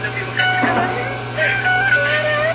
قبايلي ټولنه د ادب انعکاس لري.